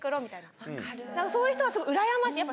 そういう人はすごいうらやましい。何？